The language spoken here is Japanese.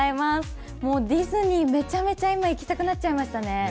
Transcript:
ディズニーめちゃめちゃ今行きたくなっちゃいましたね。